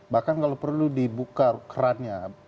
bahkan kalau perlu dibuka kerannya